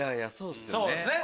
そうですね。